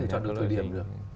chọn được thời điểm được